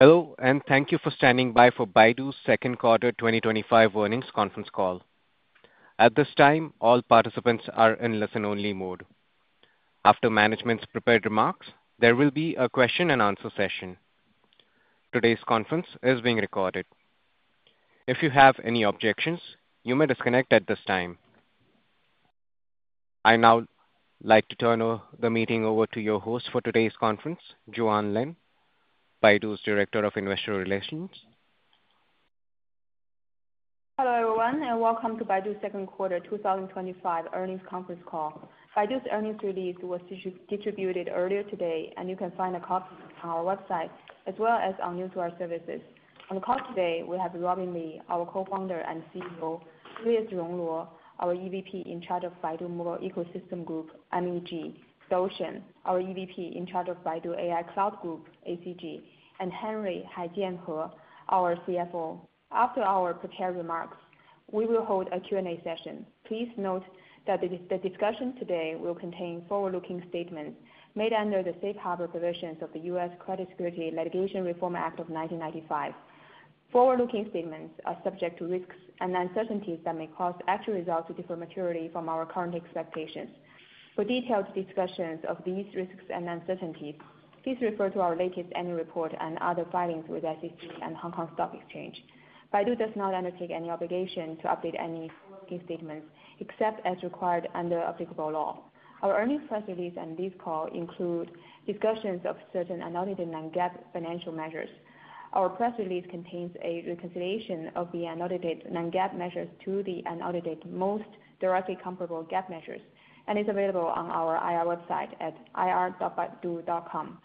Hello, and thank you for standing by for Baidu's Second Quarter 2025 Earnings Conference Call. At this time, all participants are in listen-only mode. After management's prepared remarks, there will be a question and answer session. Today's conference is being recorded. If you have any objections, you may disconnect at this time. I now like to turn the meeting over to your host for today's conference, Juan Lin, Baidu's Director of Investor Relations. Hello everyone, and welcome to Baidu's Second Quarter 2025 Earnings Conference Call. Baidu's earnings release was distributed earlier today, and you can find the copies on our website, as well as on our newsletter services. On the call today, we have Robin Li, our Co-founder and CEO, Julius Rong Luo, our EVP in charge of Baidu Mobile Ecosystem Group (MEG), Dou Shen, our EVP in charge of Baidu AI Cloud Group (ACG), and Henry Haijian He, our CFO. After our prepared remarks, we will hold a Q&A session. Please note that the discussion today will contain forward-looking statements made under the safe harbor provisions of the U.S. Private Securities Litigation Reform Act of 1995. Forward-looking statements are subject to risks and uncertainties that may cause the actual results to differ materially from our current expectations. For detailed discussions of these risks and uncertainties, please refer to our latest annual report and other filings with the SEC and Hong Kong Stock Exchange. Baidu does not undertake any obligation to update any forward-looking statements except as required under applicable law. Our earnings press release and this call include discussions of certain unaudited non-GAAP financial measures. Our press release contains a reconciliation of the unaudited non-GAAP measures to the unaudited most directly comparable GAAP measures and is available on our IR website at ir.baidu.com.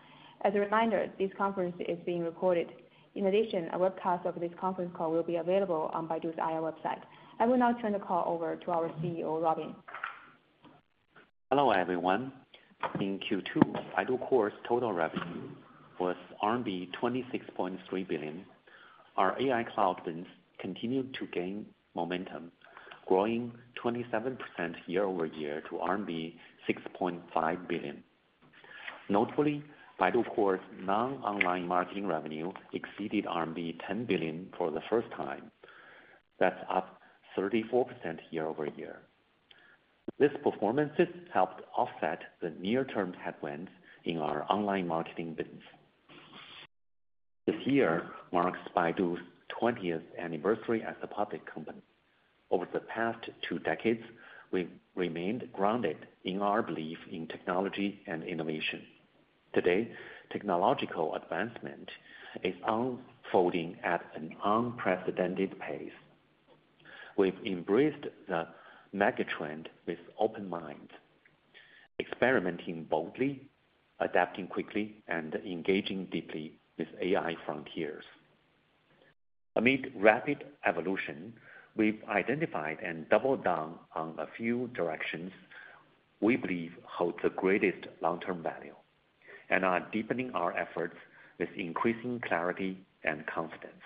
As a reminder, this conference is being recorded. In addition, a webcast of this conference call will be available on Baidu's IR website. I will now turn the call over to our CEO, Robin. Hello everyone. In Q2, Baidu Core total revenue was RMB 26.3 billion. Our Baidu AI Cloud business continued to gain momentum, growing 27% year-over-year to RMB 6.5 billion. Notably, Baidu Core's non-online marketing revenue exceeded RMB 10 billion for the first time. That's up 34% year-over-year. This performance helped offset the near-term headwinds in our online marketing business. This year marks Baidu's 20th anniversary as a public company. Over the past two decades, we've remained grounded in our belief in technology and innovation. Today, technological advancement is unfolding at an unprecedented pace. We've embraced the megatrend with open minds, experimenting boldly, adapting quickly, and engaging deeply with AI frontiers. Amid rapid evolution, we've identified and doubled down on a few directions we believe hold the greatest long-term value and are deepening our efforts with increasing clarity and confidence.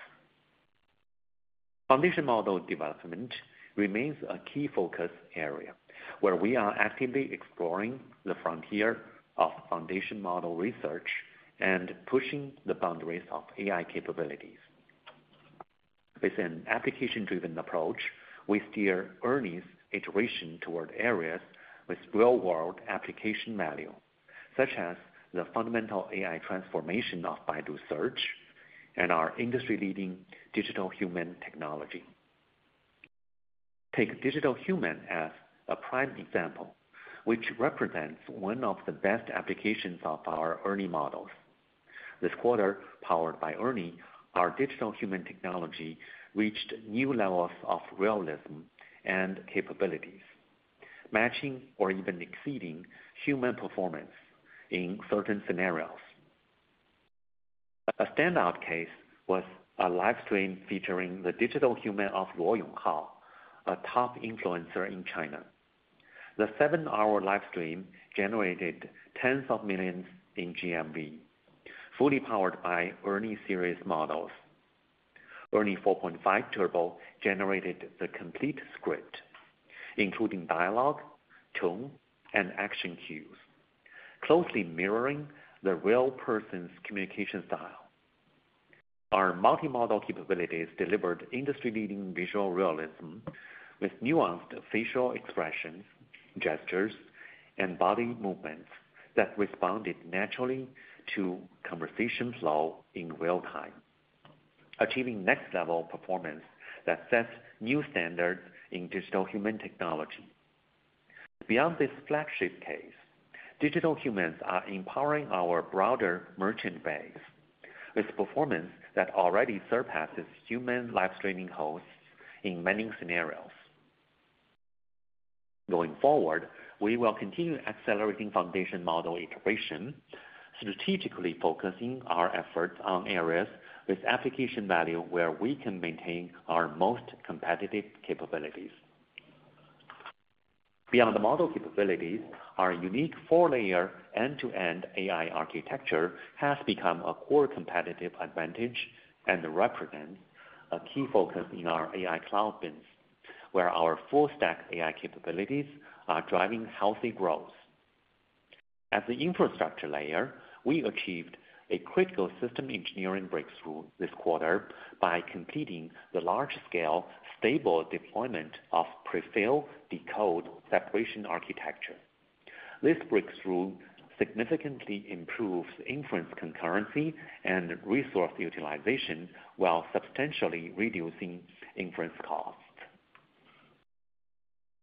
Foundation model development remains a key focus area, where we are actively exploring the frontier of foundation model research and pushing the boundaries of AI capabilities. With an application-driven approach, we steer earnings iteration toward areas with real-world application value, such as the fundamental AI transformation of Baidu Search and our industry-leading Digital Human technology. Take Digital Human as a prime example, which represents one of the best applications of our ERNIE models. This quarter, powered by ERNIE, our Digital Human technology reached new levels of realism and capabilities, matching or even exceeding human performance in certain scenarios. A standout case was a livestream featuring the Digital Human of Luo Yonghao, a top influencer in China. The seven-hour livestream generated tens of millions in GMV, fully powered by ERNIE series models. ERNIE 4.5 Turbo generated the complete script, including dialogue, tone, and action cues, closely mirroring the real person's communication style. Our multi-modal capabilities delivered industry-leading visual realism with nuanced facial expressions, gestures, and body movements that responded naturally to conversation flow in real time, achieving next-level performance that sets new standards in Digital Human technology. Beyond this flagship case, Digital Humans are empowering our broader merchant base with performance that already surpasses human live streaming hosts in many scenarios. Going forward, we will continue accelerating foundation model iteration, strategically focusing our efforts on areas with application value where we can maintain our most competitive capabilities. Beyond the model capabilities, our unique four-layer end-to-end AI architecture has become a core competitive advantage and represents a key focus in our AI Cloud business, where our full stack AI capabilities are driving healthy growth. At the infrastructure layer, we achieved a critical system engineering breakthrough this quarter by completing the large-scale stable deployment of pre-filled decode separation architecture. This breakthrough significantly improves inference concurrency and resource utilization while substantially reducing inference costs.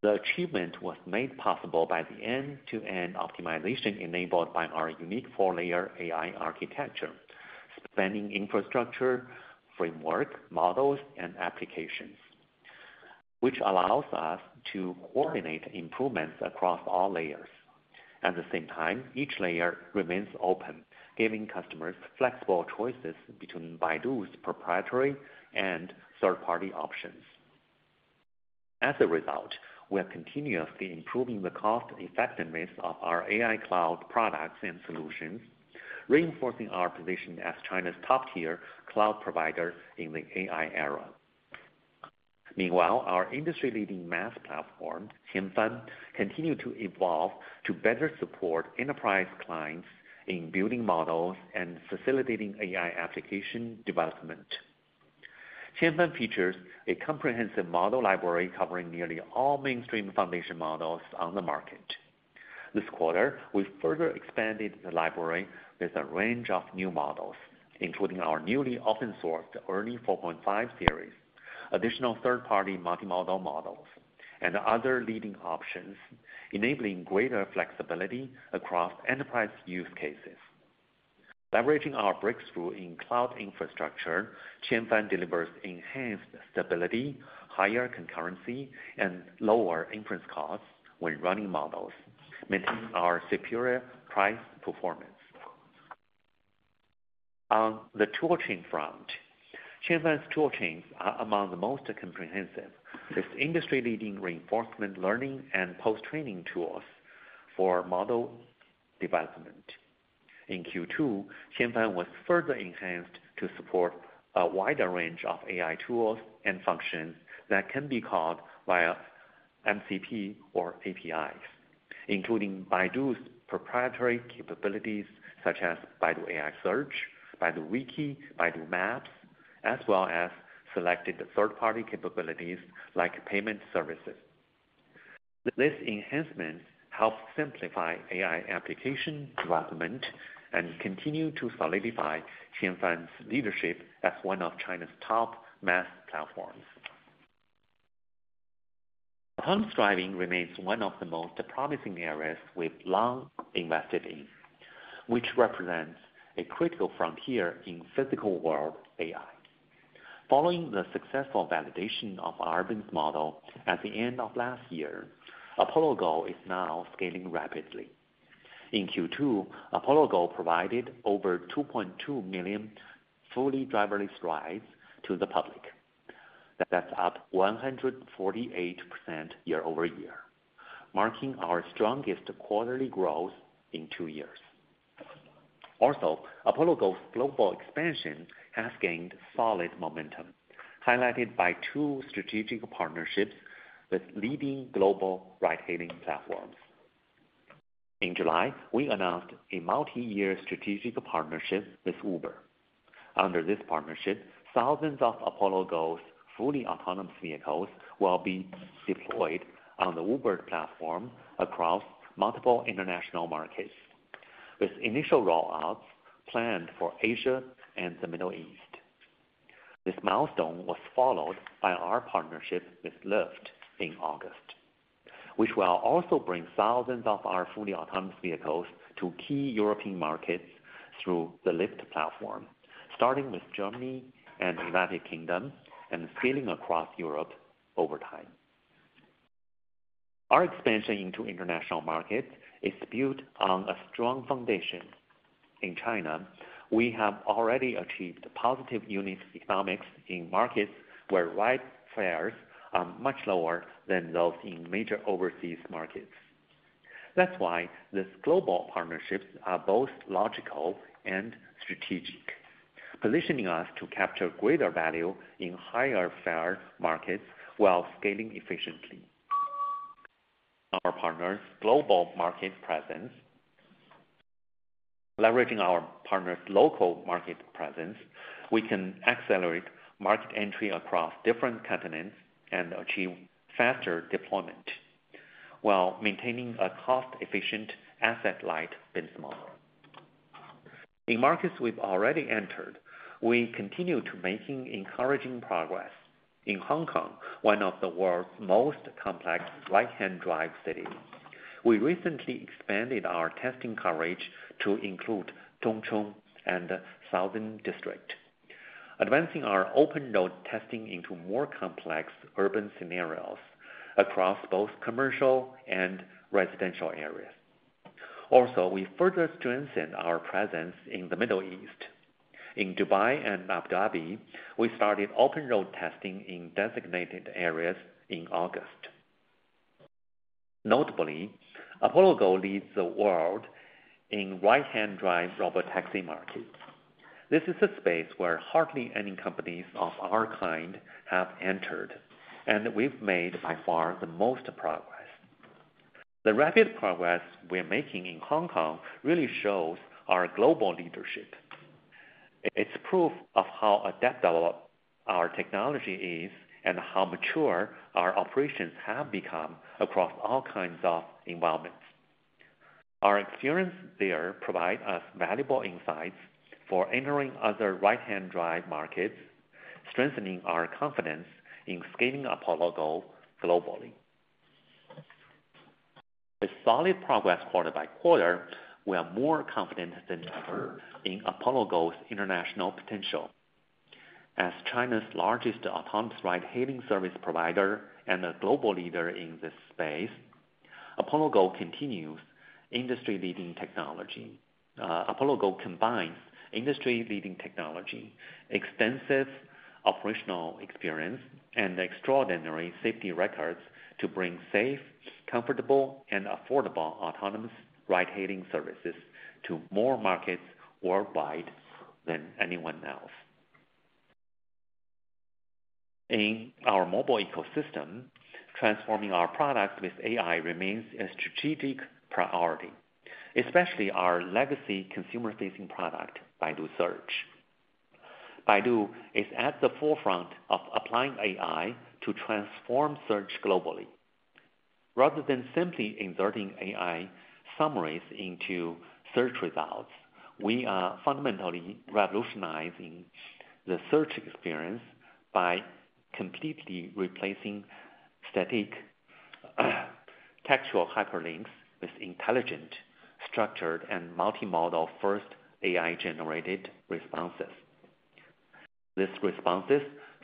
The achievement was made possible by the end-to-end optimization enabled by our unique four-layer AI architecture, spanning infrastructure, framework, models, and applications, which allows us to coordinate improvements across all layers. At the same time, each layer remains open, giving customers flexible choices between Baidu's proprietary and third-party options. As a result, we are continuously improving the cost-effectiveness of our AI Cloud products and solutions, reinforcing our position as China's top-tier cloud provider in the AI era. Meanwhile, our industry-leading platform, Qianfan, continues to evolve to better support enterprise clients in building models and facilitating AI application development. Qianfan features a comprehensive model library covering nearly all mainstream foundation models on the market. This quarter, we further expanded the library with a range of new models, including our newly open-sourced ERNIE 4.5 series, additional third-party multi-modal models, and other leading options, enabling greater flexibility across enterprise use cases. Leveraging our breakthrough in cloud infrastructure, Qianfan delivers enhanced stability, higher concurrency, and lower inference costs when running models, meant our superior price performance. On the toolchain front, Qianfan's toolchains are among the most comprehensive, with industry-leading reinforcement learning and post-training tools for model development. In Q2, Qianfan was further enhanced to support a wider range of AI tools and functions that can be called via MCP or APIs, including Baidu's proprietary capabilities such as Baidu AI Search, Baidu Wiki, Baidu Maps, as well as selected third-party capabilities like payment services. This enhancement helps simplify AI application development and continues to solidify Qianfan's leadership as one of China's top math platforms. Host driving remains one of the most promising areas we've long invested in, which represents a critical frontier in the physical world AI. Following the successful validation of our earnings model at the end of last year, Apollo Go is now scaling rapidly. In Q2, Apollo Go provided over 2.2 million fully driverless rides to the public. That's up 148% year-over-year, marking our strongest quarterly growth in two years. Also, Apollo Go's global expansion has gained solid momentum, highlighted by two strategic partnerships with leading global ride-hailing platforms. In July, we announced a multi-year strategic partnership with Uber. Under this partnership, thousands of Apollo Go's fully autonomous vehicles will be deployed on the Uber platform across multiple international markets, with initial rollouts planned for Asia and the Middle East. This milestone was followed by our partnership with Lyft in August, which will also bring thousands of our fully autonomous vehicles to key European markets through the Lyft platform, starting with Germany and the United Kingdom and scaling across Europe over time. Our expansion into international markets is built on a strong foundation. In China, we have already achieved positive unit economics in markets where ride fares are much lower than those in major overseas markets. That's why these global partnerships are both logical and strategic, positioning us to capture greater value in higher fare markets while scaling efficiently. Our partners' global market presence, leveraging our partners' local market presence, we can accelerate market entry across different continents and achieve faster deployment while maintaining a cost-efficient asset-light business model. In markets we've already entered, we continue to make encouraging progress. In Hong Kong, one of the world's most complex right-hand drive cities, we recently expanded our testing coverage to include Dongcheng and the Southern District, advancing our open road testing into more complex urban scenarios across both commercial and residential areas. Also, we further strengthened our presence in the Middle East. In Dubai and Abu Dhabi, we started open road testing in designated areas in August. Notably, Apollo Go leads the world in right-hand drive robotaxi markets. This is a space where hardly any companies of our kind have entered, and we've made by far the most progress. The rapid progress we're making in Hong Kong really shows our global leadership. It's proof of how adept our technology is and how mature our operations have become across all kinds of environments. Our experience there provides us valuable insights for entering other right-hand drive markets, strengthening our confidence in scaling Apollo Go globally. With solid progress quarter by quarter, we are more confident than ever in Apollo Go's international potential. As China's largest autonomous ride-hailing service provider and a global leader in this space, Apollo Go continues industry-leading technology. Apollo Go combines industry-leading technology, extensive operational experience, and extraordinary safety records to bring safe, comfortable, and affordable autonomous ride-hailing services to more markets worldwide than anyone else. In our mobile ecosystem, transforming our product with AI remains a strategic priority, especially our legacy consumer-facing product, Baidu Search. Baidu is at the forefront of applying AI to transform search globally. Rather than simply inserting AI summaries into search results, we are fundamentally revolutionizing the search experience by completely replacing static textual hyperlinks with intelligent, structured, and multi-modal-first AI-generated responses. These responses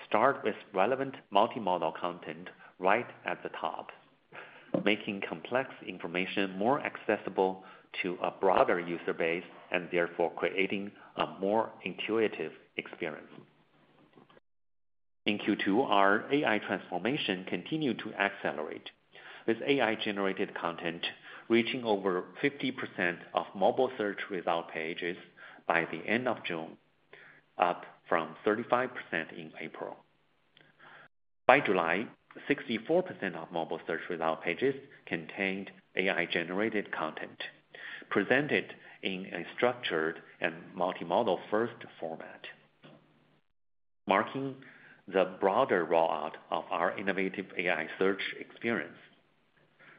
start with relevant multi-modal content right at the top, making complex information more accessible to a broader user base and therefore creating a more intuitive experience. In Q2, our AI transformation continues to accelerate, with AI-generated content reaching over 50% of mobile search result pages by the end of June, up from 35% in April. By July, 64% of mobile search result pages contained AI-generated content presented in a structured and multi-modal-first format, marking the broader rollout of our innovative AI search experience.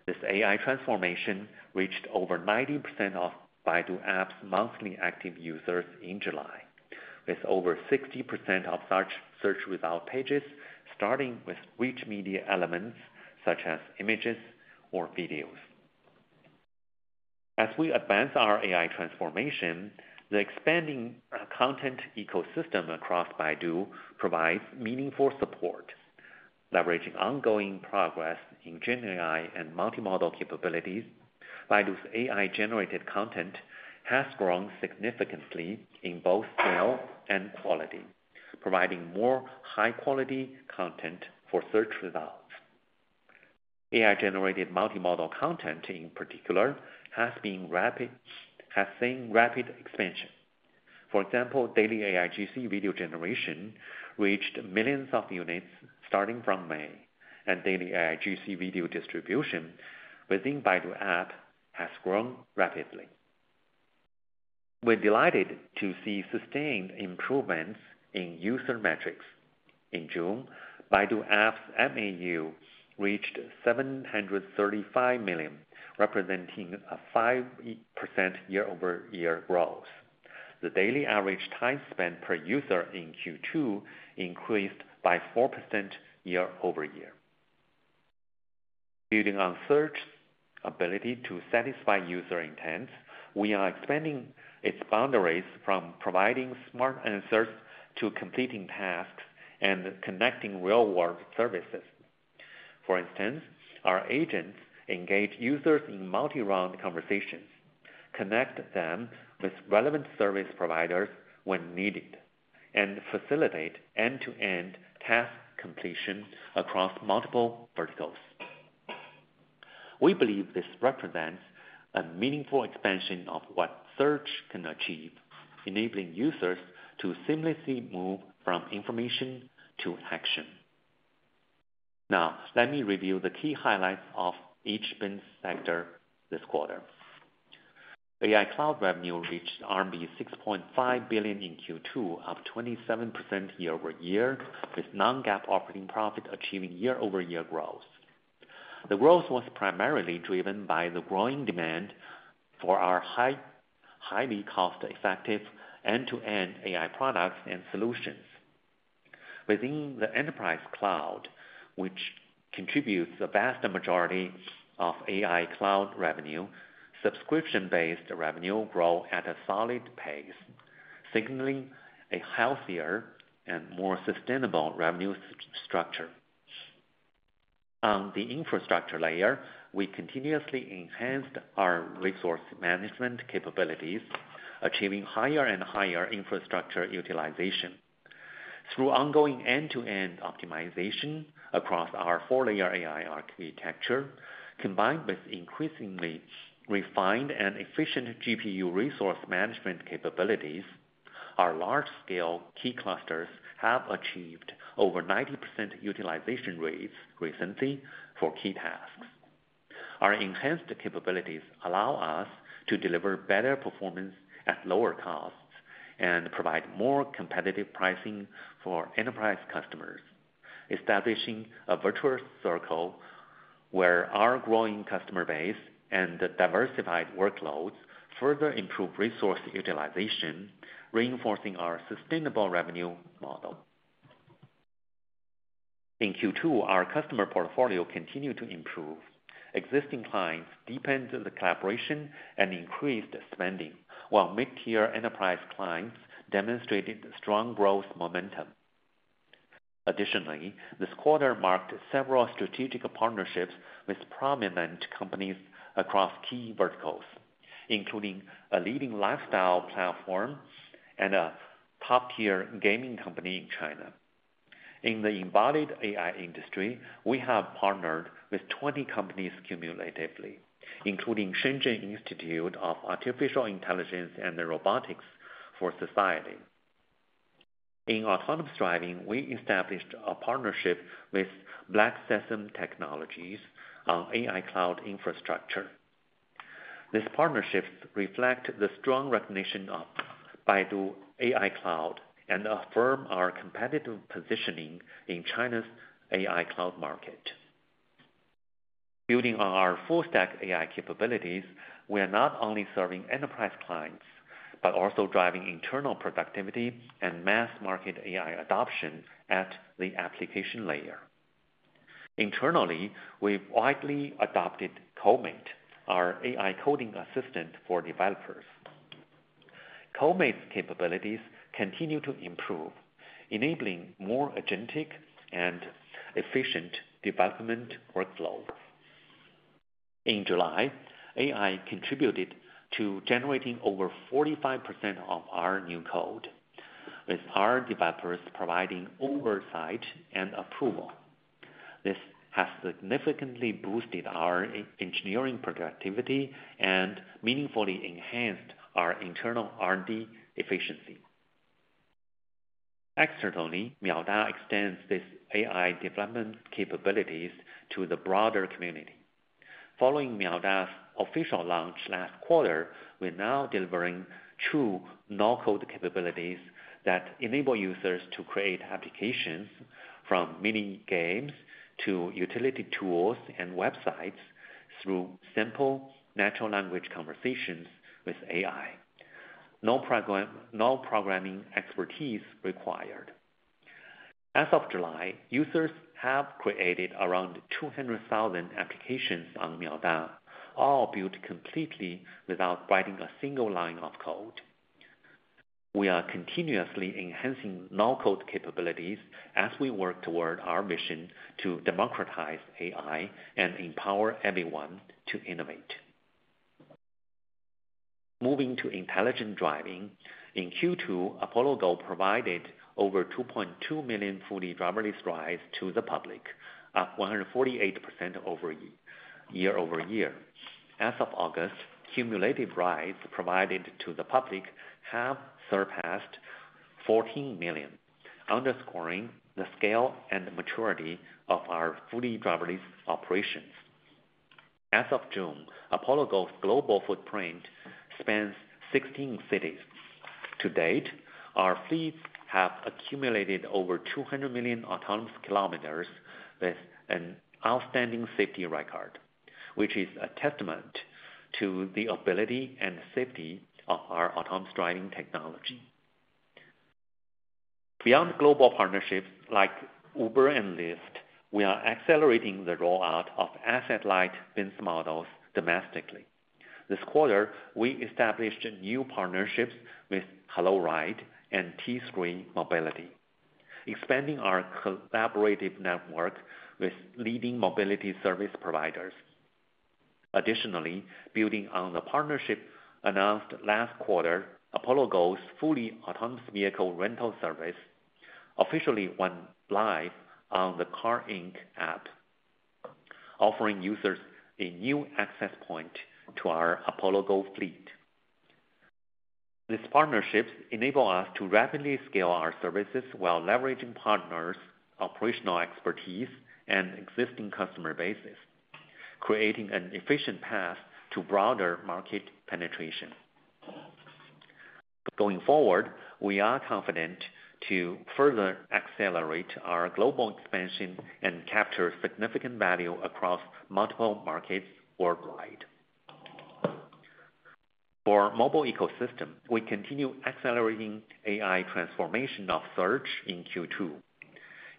This AI transformation reached over 90% of Baidu App's monthly active users in July, with over 60% of such search result pages starting with rich media elements such as images or videos. As we advance our AI transformation, the expanding content ecosystem across Baidu provides meaningful support. Leveraging ongoing progress in generative AI and multi-modal capabilities, Baidu's AI-generated content has grown significantly in both scale and quality, providing more high-quality content for search results. AI-generated multi-modal content, in particular, has seen rapid expansion. For example, daily AIGC video generation reached millions of units starting from May, and daily AIGC video distribution within Baidu App has grown rapidly. We're delighted to see sustained improvements in user metrics. In June, Baidu App's MAU reached 735 million, representing a 5% year-over-year growth. The daily average time spent per user in Q2 increased by 4% year-over-year. Building on Search's ability to satisfy user intent, we are expanding its boundaries from providing smart answers to completing tasks and connecting real-world services. For instance, our agents engage users in multi-round conversations, connect them with relevant service providers when needed, and facilitate end-to-end task completion across multiple verticals. We believe this represents a meaningful expansion of what Search can achieve, enabling users to seamlessly move from information to action. Now, let me review the key highlights of each business sector this quarter. AI Cloud revenue reached RMB 6.5 billion in Q2, up 27% year-over-year, with non-GAAP operating profit achieving year-over-year growth. The growth was primarily driven by the growing demand for our highly cost-effective end-to-end AI products and solutions. Within the enterprise cloud, which contributes the vast majority of AI Cloud revenue, subscription-based revenue grows at a solid pace, signaling a healthier and more sustainable revenue structure. On the infrastructure layer, we continuously enhanced our resource management capabilities, achieving higher and higher infrastructure utilization through ongoing end-to-end optimization across our four-layer AI architecture. Combined with increasingly refined and efficient GPU resource management capabilities, our large-scale key clusters have achieved over 90% utilization rates recently for key tasks. Our enhanced capabilities allow us to deliver better performance at lower costs and provide more competitive pricing for enterprise customers, establishing a virtuous circle where our growing customer base and diversified workloads further improve resource utilization, reinforcing our sustainable revenue model. In Q2, our customer portfolio continued to improve. Existing clients deepened the collaboration and increased spending, while mid-tier enterprise clients demonstrated strong growth momentum. Additionally, this quarter marked several strategic partnerships with prominent companies across key verticals, including a leading lifestyle platform and a top-tier gaming company in China. In the embodied AI industry, we have partnered with 20 companies cumulatively, including Shenzhen Institute of Artificial Intelligence and Robotics for Society. In autonomous driving, we established a partnership with Black Sesame Technologies on AI Cloud infrastructure. These partnerships reflect the strong recognition of Baidu AI Cloud and affirm our competitive positioning in China's AI Cloud market. Building on our full stack AI capabilities, we are not only serving enterprise clients but also driving internal productivity and mass-market AI adoption at the application layer. Internally, we widely adopted Colemate, our AI coding assistant for developers. Colemate's capabilities continue to improve, enabling more agentic and efficient development workflows. In July, AI contributed to generating over 45% of our new code, with our developers providing oversight and approval. This has significantly boosted our engineering productivity and meaningfully enhanced our internal R&D efficiency. Externally, Miaodai extends these AI development capabilities to the broader community. Following Miaodai's official launch last quarter, we're now delivering true no-code capabilities that enable users to create applications from mini games to utility tools and websites through simple natural language conversations with AI. No programming expertise required. As of July, users have created around 200,000 applications on Miaodai, all built completely without writing a single line of code. We are continuously enhancing no-code capabilities as we work toward our mission to democratize AI and empower everyone to innovate. Moving to intelligent driving, in Q2, Apollo Go provided over 2.2 million fully driverless rides to the public, up 148% year-over-year. As of August, cumulative rides provided to the public have surpassed 14 million, underscoring the scale and maturity of our fully driverless operations. As of June, Apollo Go's global footprint spans 16 cities. To date, our fleets have accumulated over 200 million autonomous kilometers with an outstanding safety record, which is a testament to the ability and safety of our autonomous driving technology. Beyond global partnerships like Uber and Lyft, we are accelerating the rollout of asset-light business models domestically. This quarter, we established new partnerships with Hello Ride and T3 Mobility, expanding our collaborative network with leading mobility service providers. Additionally, building on the partnership announced last quarter, Apollo Go's fully autonomous vehicle rental service officially went live on the CAR Inc app, offering users a new access point to our Apollo Go fleet. These partnerships enable us to rapidly scale our services while leveraging partners' operational expertise and existing customer bases, creating an efficient path to broader market penetration. Going forward, we are confident to further accelerate our global expansion and capture significant value across multiple markets worldwide. For our mobile ecosystem, we continue accelerating AI transformation of Search in Q2.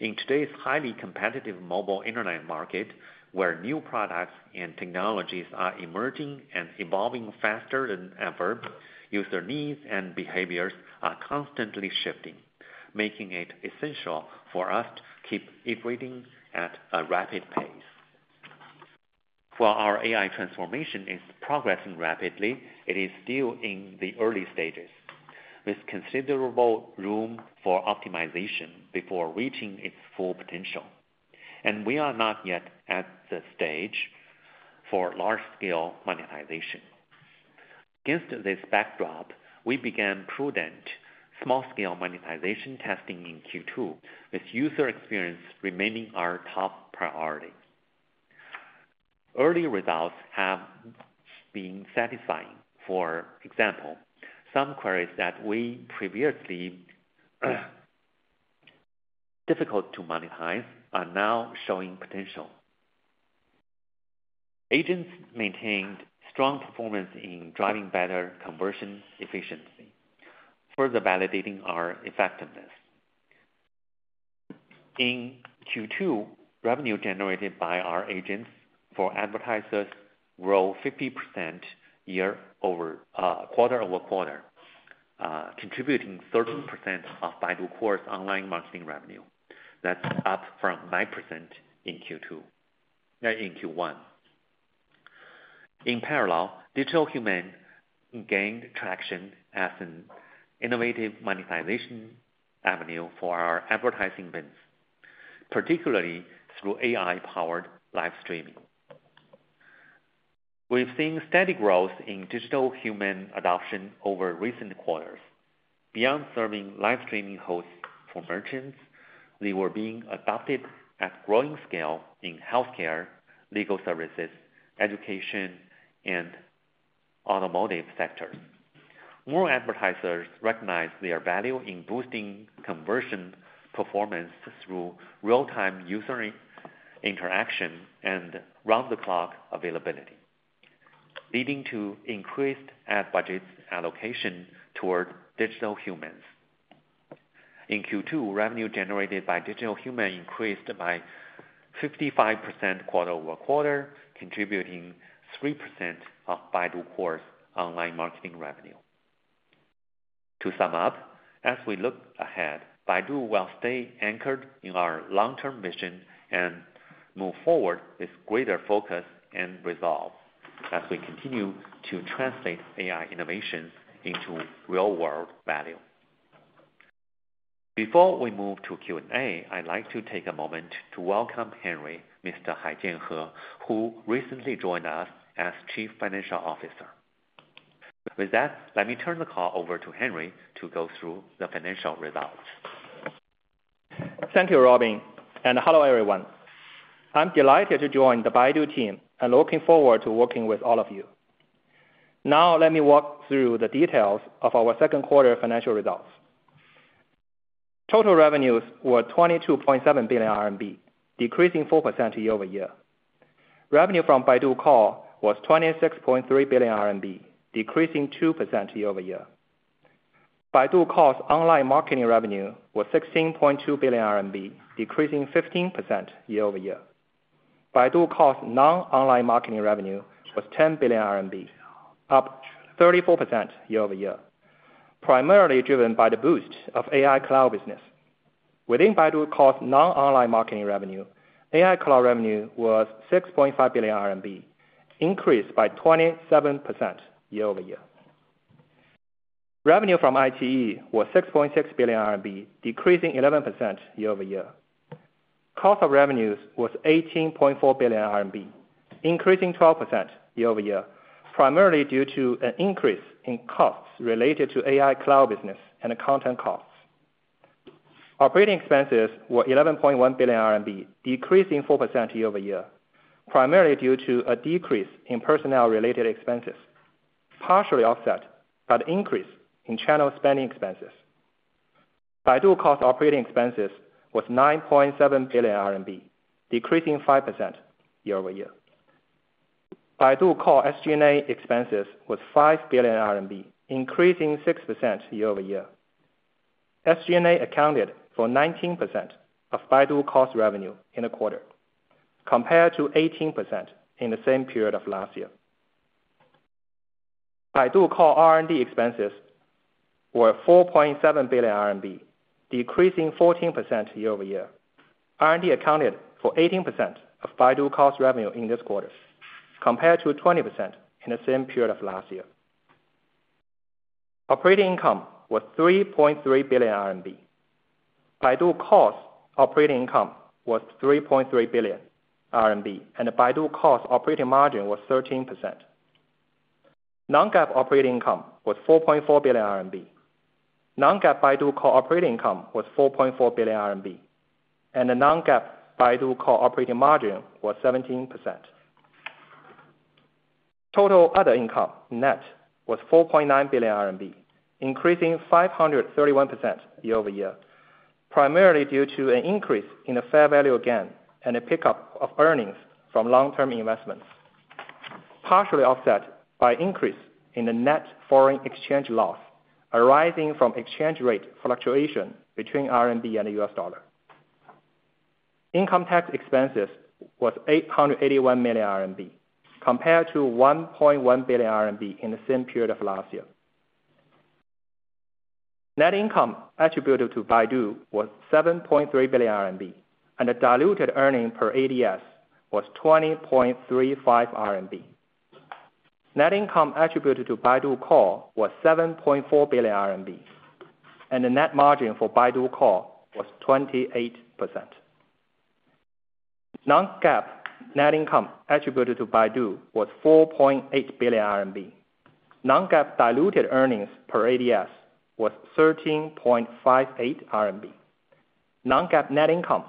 In today's highly competitive mobile internet market, where new products and technologies are emerging and evolving faster than ever, user needs and behaviors are constantly shifting, making it essential for us to keep iterating at a rapid pace. While our AI transformation is progressing rapidly, it is still in the early stages, with considerable room for optimization before reaching its full potential. We are not yet at the stage for large-scale monetization. Against this backdrop, we began prudent small-scale monetization testing in Q2, with user experience remaining our top priority. Early results have been satisfying. For example, some queries that we previously found difficult to monetize are now showing potential. Agents maintained strong performance in driving better conversion efficiency, further validating our effectiveness. In Q2, revenue generated by our agents for advertisers grew 50% year-over-quarter, contributing 13% of Baidu Core's online marketing revenue. That's up from 5% in Q1. In parallel, Digital Human gained traction as an innovative monetization avenue for our advertising business, particularly through AI-powered live streaming. We've seen steady growth in Digital Human adoption over recent quarters. Beyond serving live streaming hosts for merchants, they were being adopted at growing scale in healthcare, legal services, education, and automotive sectors. More advertisers recognize their value in boosting conversion performance through real-time user interaction and round-the-clock availability, leading to increased ad budget allocation toward Digital Humans. In Q2, revenue generated by Digital Human increased by 55% quarter-over-quarter, contributing 3% of Baidu Core's online marketing revenue. To sum up, as we look ahead, Baidu will stay anchored in our long-term vision and move forward with greater focus and resolve as we continue to translate AI innovations into real-world value. Before we move to Q&A, I'd like to take a moment to welcome Henry, Mr. Haijian He, who recently joined us as Chief Financial Officer. With that, let me turn the call over to Henry to go through the financial results. Thank you, Robin, and hello, everyone. I'm delighted to join the Baidu team and looking forward to working with all of you. Now, let me walk through the details of our second quarter financial results. Total revenues were 22.7 billion RMB, decreasing 4% year-over-year. Revenue from Baidu Core was 26.3 billion RMB, decreasing 2% year-over-year. Baidu Core's online marketing revenue was 16.2 billion RMB, decreasing 15% year-over-year. Baidu Core's non-online marketing revenue was 10 billion RMB, up 34% year-over-year, primarily driven by the boost of Baidu AI Cloud business. Within Baidu Core's non-online marketing revenue, Baidu AI Cloud revenue was 6.5 billion RMB, increased by 27% year-over-year. Revenue from iQIYI was 6.6 billion RMB, decreasing 11% year-over-year. Cost of revenues was 18.4 billion RMB, increasing 12% year-over-year, primarily due to an increase in costs related to Baidu AI Cloud business and content costs. Operating expenses were 11.1 billion RMB, decreasing 4% year-over-year, primarily due to a decrease in personnel-related expenses, partially offset by the increase in channel spending expenses. Baidu Core's operating expenses were 9.7 billion RMB, decreasing 5% year-over-year. Baidu Core's SG&A expenses were RMB 5 billion, increasing 6% year-over-year. SG&A accounted for 19% of Baidu Core's revenue in a quarter, compared to 18% in the same period of last year. Baidu Core R&D expenses were 4.7 billion RMB, decreasing 14% year-over-year. R&D accounted for 18% of Baidu Core's revenue in this quarter, compared to 20% in the same period of last year. Operating income was 3.3 billion RMB. Baidu Core's operating income was 3.3 billion RMB, and Baidu Core's operating margin was 13%. Non-GAAP operating income was 4.4 billion RMB. Non-GAAP Baidu Core operating income was 4.4 billion RMB, and the non-GAAP Baidu Core operating margin was 17%. Total other income net was 4.9 billion RMB, increasing 531% year-over-year, primarily due to an increase in the fair value gain and the pickup of earnings from long-term investments, partially offset by an increase in the net foreign exchange loss arising from exchange rate fluctuation between RMB and the U.S. dollar. Income tax expenses were 881 million RMB, compared to 1.1 billion RMB in the same period of last year. Net income attributed to Baidu was 7.3 billion RMB, and the diluted earnings per ADS was 20.35 RMB. Net income attributed to Baidu Core was 7.4 billion RMB, and the net margin for Baidu Core was 28%. Non-GAAP net income attributed to Baidu was 4.8 billion RMB. Non-GAAP diluted earnings per ADS was 13.58 RMB. Non-GAAP net income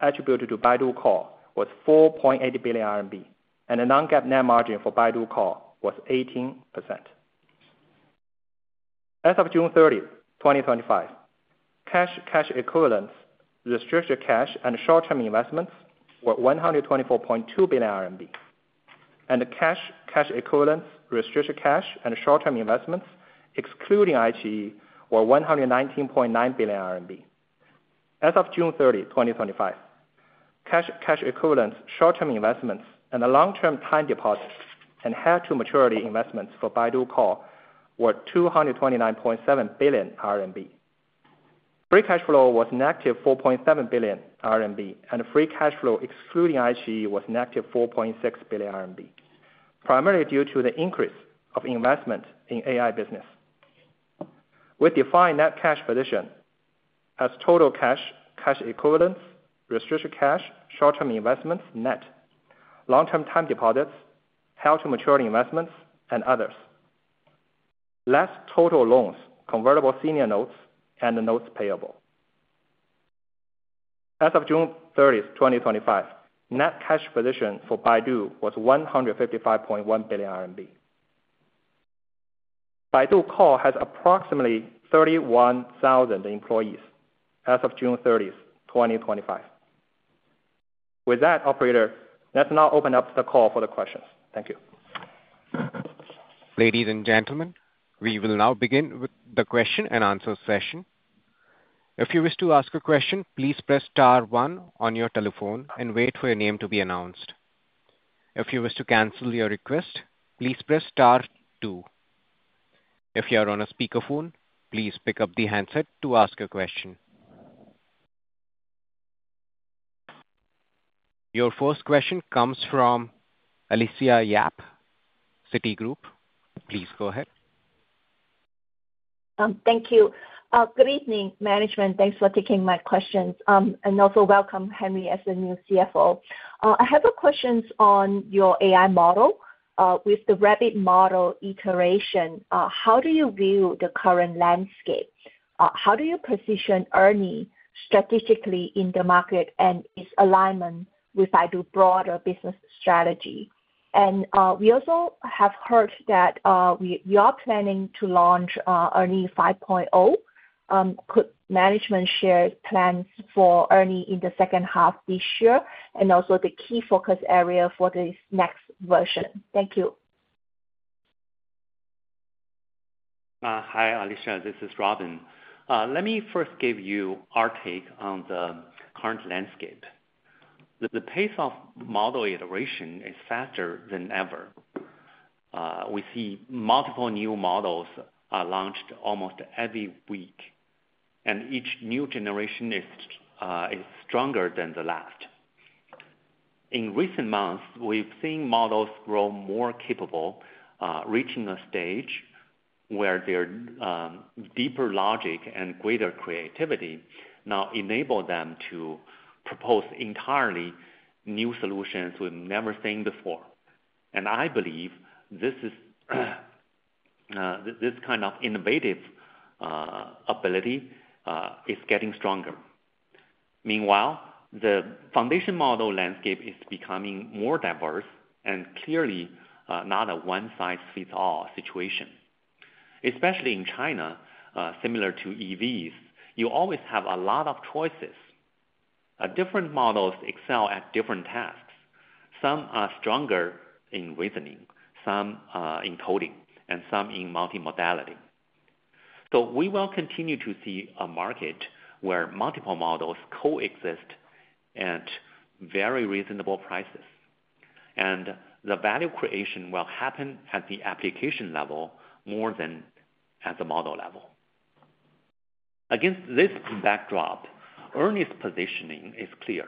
attributed to Baidu Core was 4.8 billion RMB, and the non-GAAP net margin for Baidu Core was 18%. As of June 30, 2025, cash, cash equivalents, restricted cash, and short-term investments were 124.2 billion RMB, and the cash, cash equivalents, restricted cash, and short-term investments excluding ITE were 119.9 billion RMB. As of June 30, 2025, cash, cash equivalents, short-term investments, and the long-term time deposits and held-to-maturity investments for Baidu Core were 229.7 billion RMB. Free cash flow was negative 4.7 billion RMB, and free cash flow excluding ITE was negative 4.6 billion RMB, primarily due to the increase of investment in AI business. We define net cash position as total cash, cash equivalents, restricted cash, short-term investments, net, long-term time deposits, held-to-maturity investments, and others, less total loans, convertible senior notes, and the notes payable. As of June 30, 2025, net cash position for Baidu was 155.1 billion RMB. Baidu Core has approximately 31,000 employees as of June 30, 2025. With that, operator, let's now open up the call for questions. Thank you. Ladies and gentlemen, we will now begin the question and answer session. If you wish to ask a question, please press star one on your telephone and wait for your name to be announced. If you wish to cancel your request, please press star two. If you are on a speakerphone, please pick up the handset to ask a question. Your first question comes from Alicia Yap, Citigroup. Please go ahead. Thank you. Good evening, management. Thanks for taking my questions, and also welcome Henry as the new CFO. I have a question on your AI model. With the rapid model iteration, how do you view the current landscape? How do you position ERNIE strategically in the market and its alignment with Baidu's broader business strategy? We also have heard that you are planning to launch ERNIE 5.0. Could management share plans for ERNIE in the second half this year and also the key focus area for this next version? Thank you. Hi, Alicia. This is Robin. Let me first give you our take on the current landscape. The pace of model iteration is faster than ever. We see multiple new models launched almost every week, and each new generation is stronger than the last. In recent months, we've seen models grow more capable, reaching a stage where their deeper logic and greater creativity now enable them to propose entirely new solutions we've never seen before. I believe this kind of innovative ability is getting stronger. Meanwhile, the foundation model landscape is becoming more diverse and clearly not a one-size-fits-all situation. Especially in China, similar to EVs, you always have a lot of choices. Different models excel at different tasks. Some are stronger in reasoning, some in coding, and some in multi-modality. We will continue to see a market where multiple models coexist at very reasonable prices, and the value creation will happen at the application level more than at the model level. Against this backdrop, ERNIE's positioning is clear.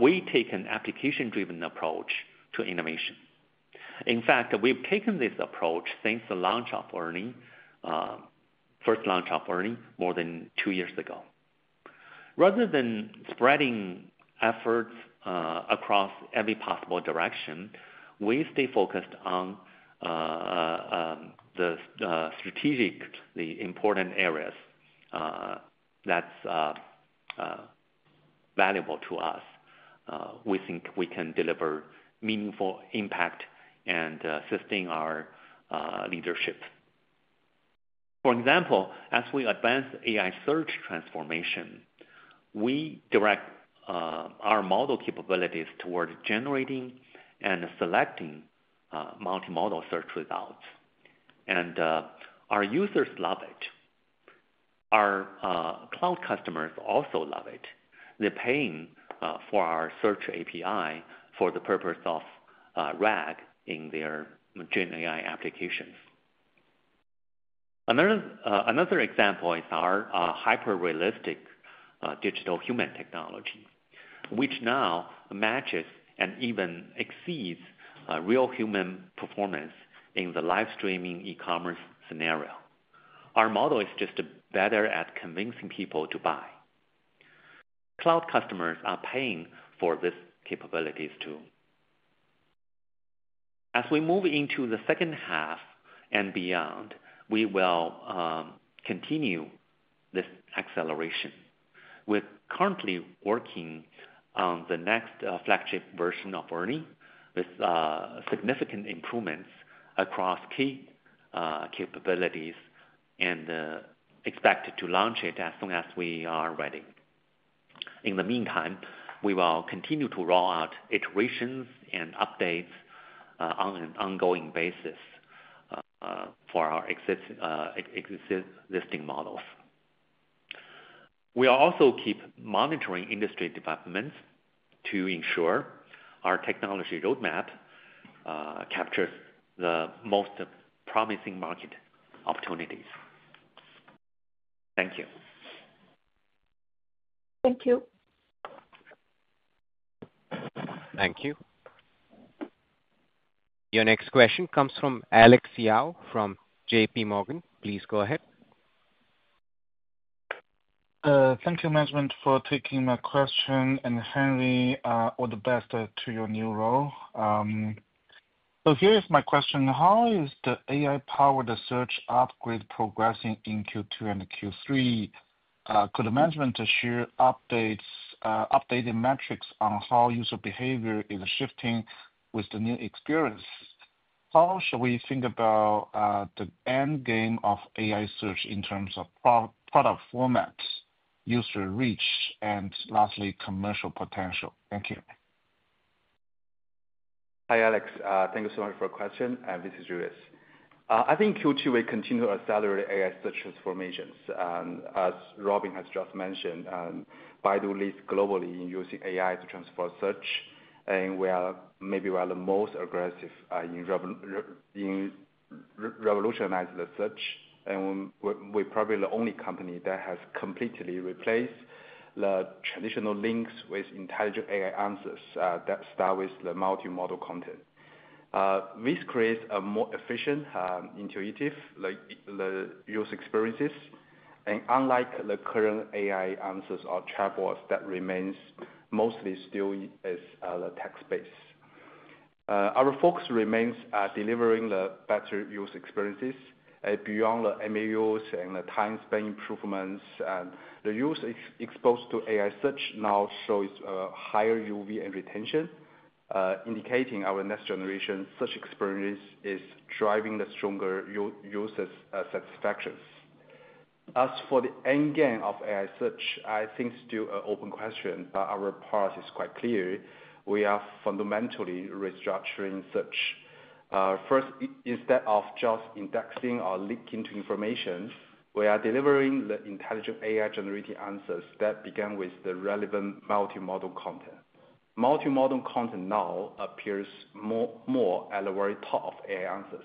We take an application-driven approach to innovation. In fact, we've taken this approach since the first launch of ERNIE more than two years ago. Rather than spreading efforts across every possible direction, we stay focused on the strategically important areas that are valuable to us. We think we can deliver meaningful impact and sustain our leadership. For example, as we advance AI search transformation, we direct our model capabilities toward generating and selecting multi-modal search results. Our users love it. Our cloud customers also love it. They're paying for our search API for the purpose of RAG in their generative AI applications. Another example is our hyper-realistic Digital Human technology, which now matches and even exceeds real human performance in the e-commerce live streaming scenario. Our model is just better at convincing people to buy. Cloud customers are paying for these capabilities too. As we move into the second half and beyond, we will continue this acceleration with currently working on the next flagship version of ERNIE with significant improvements across key capabilities and expected to launch it as soon as we are ready. In the meantime, we will continue to roll out iterations and updates on an ongoing basis for our existing models. We also keep monitoring industry developments to ensure our technology roadmap captures the most promising market opportunities. Thank you. Thank you. Thank you. Your next question comes from Alex Yao from JPMorgan. Please go ahead. Thank you, management, for taking my question. Henry, all the best to your new role. Here is my question. How is the AI-powered search upgrade progressing in Q2 and Q3? Could the management share updated metrics on how user behavior is shifting with the new experience? How should we think about the end game of AI search in terms of product formats, user reach, and, lastly, commercial potential? Thank you. Hi, Alex. Thank you so much for your question. This is Julius. I think Q2 will continue accelerating AI search transformations. As Robin has just mentioned, Baidu leads globally in using AI to transform search. We are maybe one of the most aggressive in revolutionizing the search. We're probably the only company that has completely replaced the traditional links with intelligent AI answers that start with the multi-modal content. This creates a more efficient, intuitive user experience. Unlike the current AI answers or chatbots that remain mostly still in the text space, our focus remains delivering better user experiences. Beyond the MAUs and the time-span improvements, the user exposed to AI search now shows a higher UV and retention, indicating our next-generation search experience is driving stronger user satisfaction. As for the end game of AI search, I think it's still an open question, but our policy is quite clear. We are fundamentally restructuring search. First, instead of just indexing or linking to information, we are delivering the intelligent AI-generated answers that begin with the relevant multi-modal content. Multi-modal content now appears more at the very top of AI answers,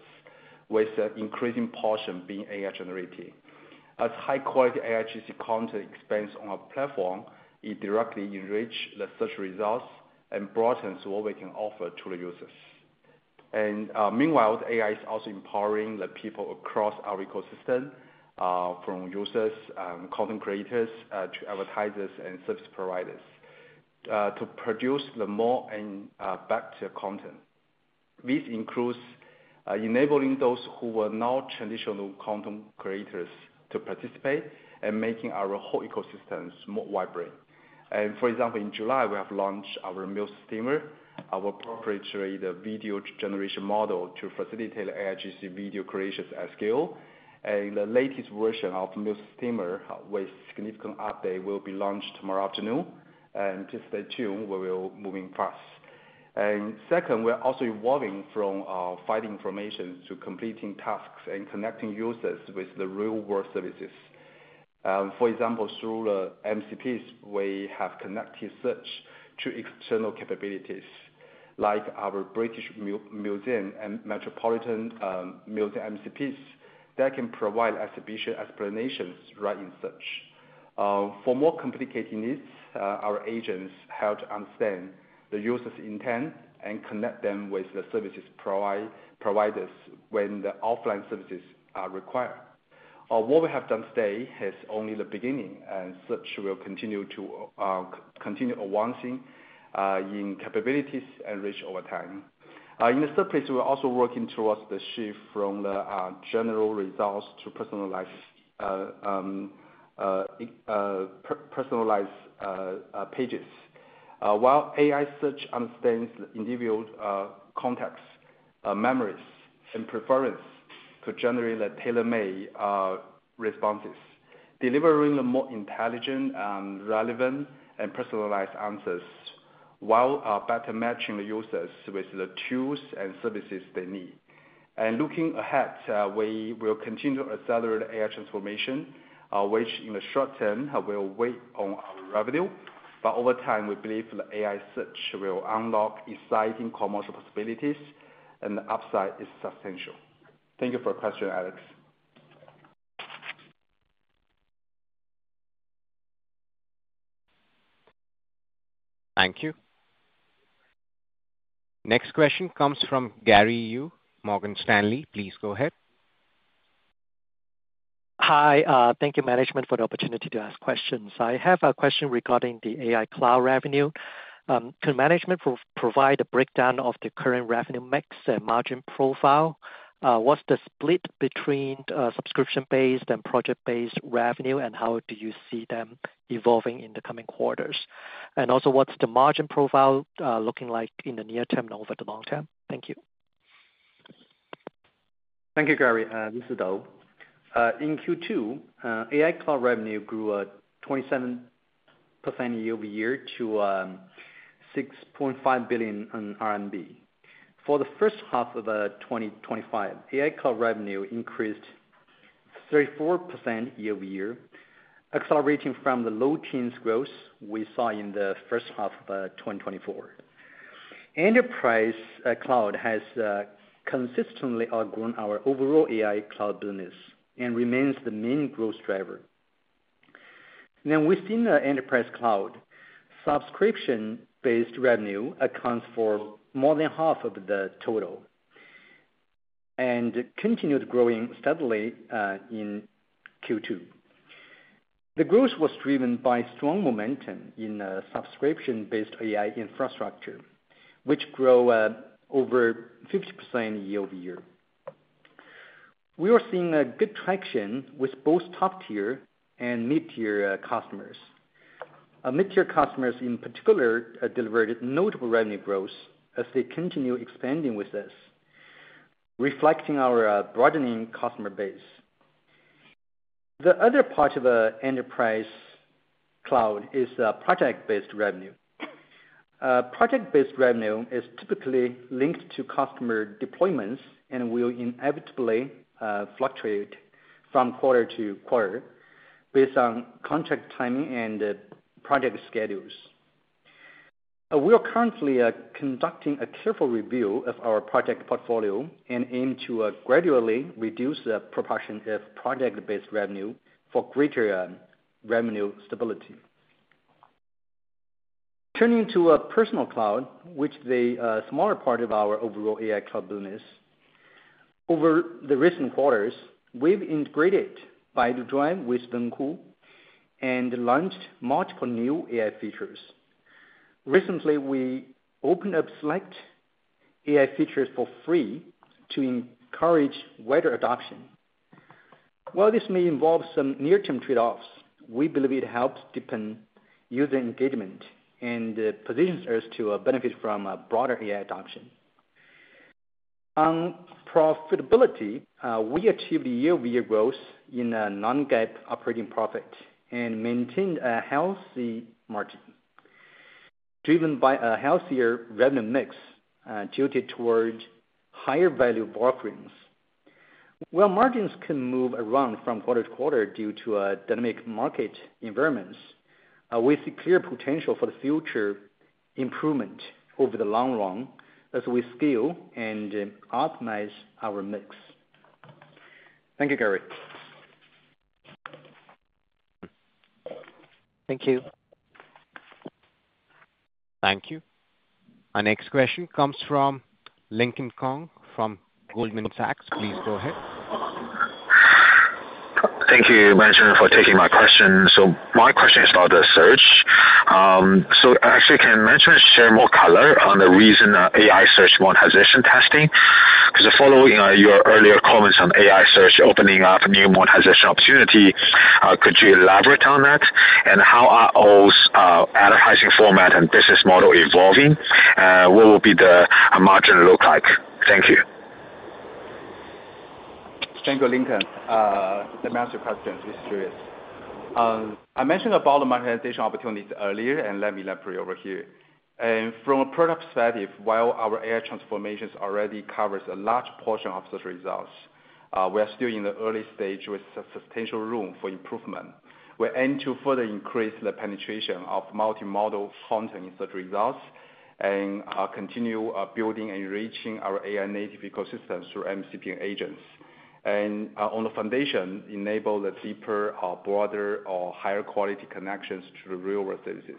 with an increasing portion being AI-generated. As high-quality AIGC content expands on our platform, it directly enriches the search results and broadens what we can offer to the users. Meanwhile, the AI is also empowering the people across our ecosystem, from users and content creators to advertisers and service providers, to produce more and better content. This includes enabling those who were not traditional content creators to participate and making our whole ecosystem more vibrant. For example, in July, we have launched our Meal Steamer, our proprietary video generation model to facilitate AIGC video creations at scale. The latest version of Meal Steamer with a significant update will be launched tomorrow afternoon. Just stay tuned. We're moving fast. Second, we're also evolving from finding information to completing tasks and connecting users with the real-world services. For example, through the MCPs, we have connected search to external capabilities like our British Museum and Metropolitan Museum MCPs that can provide exhibition explanations right in search. For more complicated needs, our agents help to understand the user's intent and connect them with the service providers when offline services are required. What we have done today is only the beginning, and search will continue to advance in capabilities and reach over time. In the third place, we're also working towards the shift from general results to personalized pages. While AI search understands the individual context, memories, and preference to generate tailor-made responses, delivering more intelligent, relevant, and personalized answers while better matching the users with the tools and services they need. Looking ahead, we will continue to accelerate AI transformation, which in the short term will weigh on our revenue. Over time, we believe AI search will unlock exciting commercial possibilities, and the upside is substantial. Thank you for your question, Alex. Thank you. Next question comes from Gary Yu, Morgan Stanley. Please go ahead. Hi. Thank you, management, for the opportunity to ask questions. I have a question regarding the AI Cloud revenue. Can management provide a breakdown of the current revenue mix and margin profile? What's the split between subscription-based and project-based revenue, and how do you see them evolving in the coming quarters? Also, what's the margin profile looking like in the near term and over the long term? Thank you. Thank you, Gary. This is Dou. In Q2, AI Cloud revenue grew 27% year-over-year to 6.5 billion RMB. For the first half of 2025, AI Cloud revenue increased 34% year-over-year, accelerating from the low single-digit growth we saw in the first half of 2024. Enterprise Cloud has consistently outgrown our overall AI Cloud business and remains the main growth driver. Now, within the Enterprise Cloud, subscription-based revenue accounts for more than half of the total and continued growing steadily in Q2. The growth was driven by strong momentum in the subscription-based AI infrastructure, which grew over 50% year-over-year. We are seeing good traction with both top-tier and mid-tier customers. Mid-tier customers, in particular, delivered notable revenue growth as they continue expanding with us, reflecting our broadening customer base. The other part of the Enterprise Cloud is project-based revenue. Project-based revenue is typically linked to customer deployments and will inevitably fluctuate from quarter to quarter based on contract timing and project schedules. We are currently conducting a careful review of our project portfolio and aim to gradually reduce the proportion of project-based revenue for greater revenue stability. Turning to personal cloud, which is a smaller part of our overall AI Cloud business, over the recent quarters, we've integrated Baidu Drive with Lungkou and launched multiple new AI features. Recently, we opened up select AI features for free to encourage wider adoption. While this may involve some near-term trade-offs, we believe it helps deepen user engagement and positions us to benefit from broader AI adoption. On profitability, we achieved year-over-year growth in non-GAAP operating profit and maintained a healthy margin, driven by a healthier revenue mix tilted toward higher-value offerings. While margins can move around from quarter to quarter due to dynamic market environments, we see clear potential for future improvement over the long run as we scale and optimize our mix. Thank you, Gary. Thank you. Thank you. Our next question comes from Lincoln Kong from Goldman Sachs. Please go ahead. Thank you, management, for taking my question. My question is about the search. Can management share more color on the recent AI search monetization testing? Following your earlier comments on AI search opening up new monetization opportunity, could you elaborate on that? How are those advertising formats and business models evolving, and what will the margin look like? Thank you. Thank you, Lincoln. That's a massive question. I'm just curious. I mentioned about the monetization opportunities earlier, let me elaborate over here. From a product perspective, while our AI transformation already covers a large portion of search results, we are still in the early stage with substantial room for improvement. We aim to further increase the penetration of multi-modal content in search results and continue building and enriching our AI-native ecosystems through MCP and agents. On the foundation, enable the deeper, broader, or higher-quality connections to the real-world services.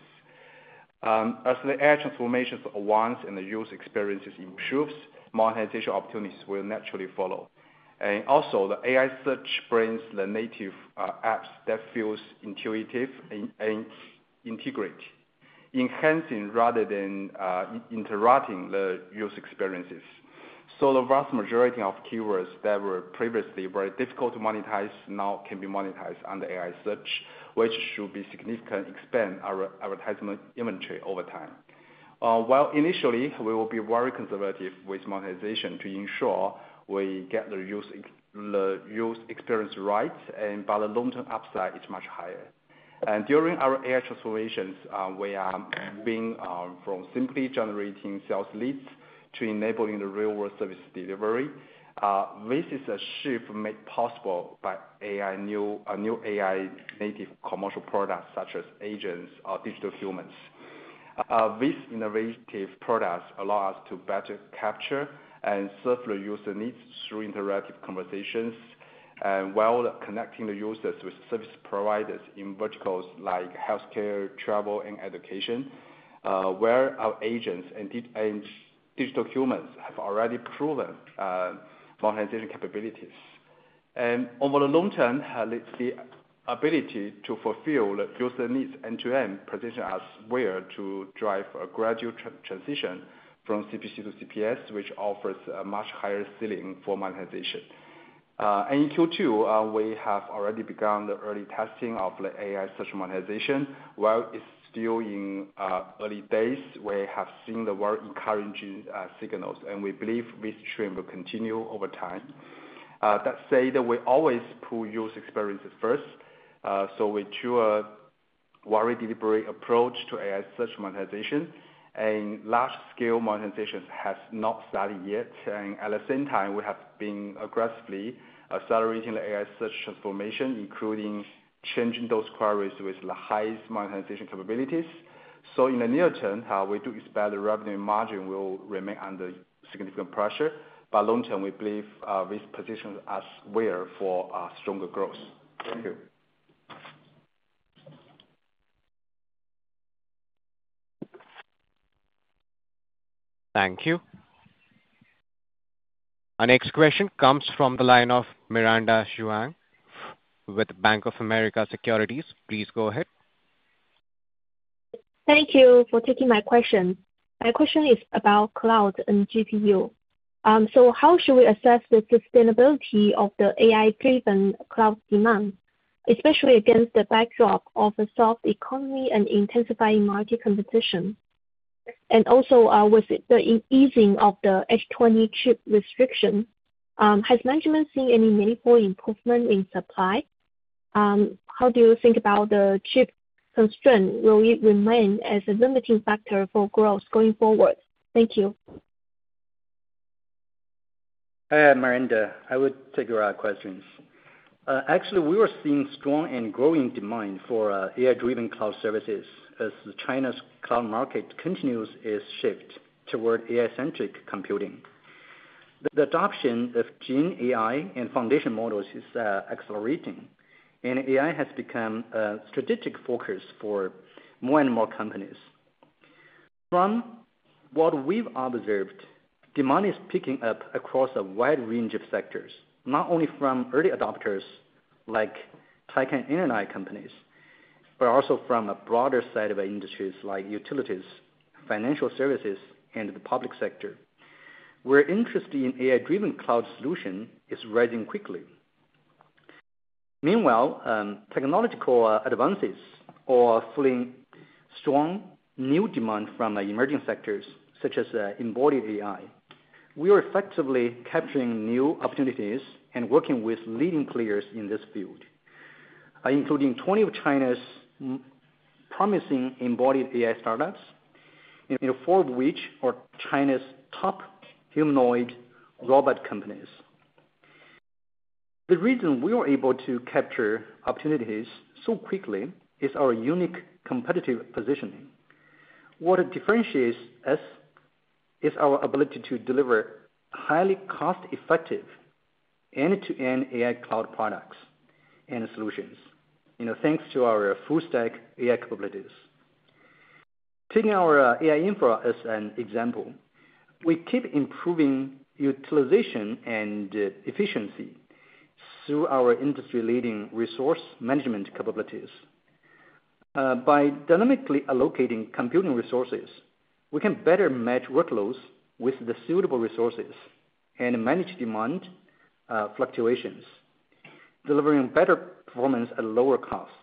As the AI transformation advances and the user experiences improve, monetization opportunities will naturally follow. Also, the AI search brings the native apps that feel intuitive and integrate, enhancing rather than interrupting the user experiences. The vast majority of keywords that were previously very difficult to monetize now can be monetized under AI search, which should significantly expand our advertisement inventory over time. Initially, we will be very conservative with monetization to ensure we get the user experience right, but the long-term upside is much higher. During our AI transformations, we are moving from simply generating sales leads to enabling the real-world service delivery. This is a shift made possible by new AI-native commercial products such as agents or Digital Humans. These innovative products allow us to better capture and serve the user needs through interactive conversations and while connecting the users with service providers in verticals like healthcare, travel, and education, where our agents and Digital Humans have already proven monetization capabilities. Over the long term, let's see the ability to fulfill the user needs end-to-end positions us where to drive a gradual transition from CPC to CPS, which offers a much higher ceiling for monetization. In Q2, we have already begun the early testing of the AI search monetization. While it's still in early days, we have seen the very encouraging signals, and we believe this trend will continue over time. That said, we always put user experiences first. We choose a very deliberate approach to AI search monetization. Large-scale monetization has not started yet. At the same time, we have been aggressively accelerating the AI search transformation, including changing those queries with the highest monetization capabilities. In the near term, we do expect the revenue and margin will remain under significant pressure. Long term, we believe this positions us for stronger growth. Thank you. Thank you. Our next question comes from the line of Miranda Zhuang with Bank of America Securities. Please go ahead. Thank you for taking my question. My question is about cloud and GPU. How should we assess the sustainability of the AI-driven cloud demand, especially against the backdrop of a soft economy and intensifying market competition? Also, with the easing of the H20 chip restriction, has management seen any meaningful improvement in supply? How do you think about the chip constraint? Will it remain as a limiting factor for growth going forward? Thank you. Hi, I'm Miranda. I would take your questions. Actually, we are seeing strong and growing demand for AI-driven cloud services as China's cloud market continues its shift toward AI-centric computing. The adoption of generative AI and foundation models is accelerating, and AI has become a strategic focus for more and more companies. From what we've observed, demand is picking up across a wide range of sectors, not only from early adopters like tech and NNI companies, but also from a broader set of industries like utilities, financial services, and the public sector. We're interested in AI-driven cloud solutions rising quickly. Meanwhile, technological advances are fueling strong new demand from emerging sectors such as embodied AI. We are effectively capturing new opportunities and working with leading players in this field, including 20 of China's promising embodied AI startups, and four of which are China's top humanoid robot companies. The reason we are able to capture opportunities so quickly is our unique competitive positioning. What differentiates us is our ability to deliver highly cost-effective end-to-end AI cloud products and solutions, thanks to our full-stack AI capabilities. Taking our AI infra as an example, we keep improving utilization and efficiency through our industry-leading resource management capabilities. By dynamically allocating computing resources, we can better match workloads with the suitable resources and manage demand fluctuations, delivering better performance at lower costs.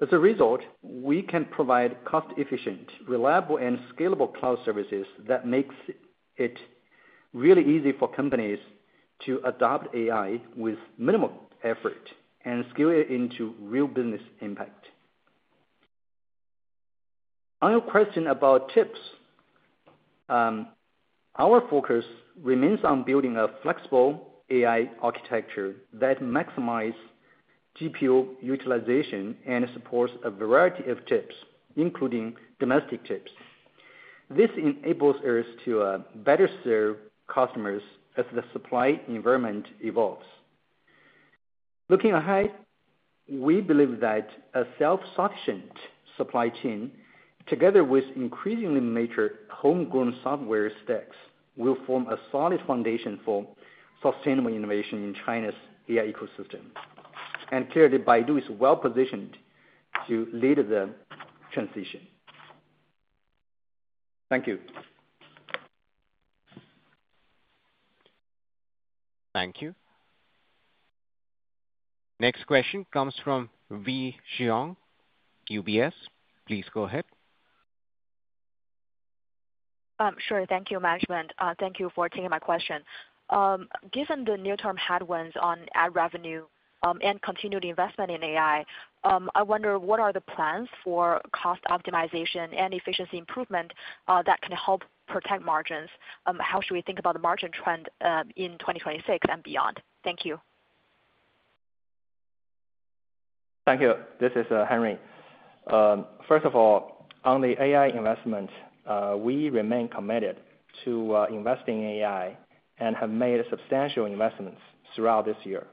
As a result, we can provide cost-efficient, reliable, and scalable cloud services that make it really easy for companies to adopt AI with minimal effort and scale it into real business impact. Final question about chips. Our focus remains on building a flexible AI architecture that maximizes GPU utilization and supports a variety of chips, including domestic chips. This enables us to better serve customers as the supply environment evolves. Looking ahead, we believe that a self-sufficient supply chain, together with increasingly major homegrown software stacks, will form a solid foundation for sustainable innovation in China's AI ecosystem. Clearly, Baidu is well-positioned to lead the transition. Thank you. Thank you. Next question comes from Wei Xiong UBS. Please go ahead. Sure. Thank you, management. Thank you for taking my question. Given the near-term headwinds on AI revenue and continued investment in AI, I wonder what are the plans for cost optimization and efficiency improvement that can help protect margins? How should we think about the margin trend in 2026 and beyond? Thank you. Thank you. This is Henry. First of all, on the AI investment, we remain committed to investing in AI and have made substantial investments throughout this year,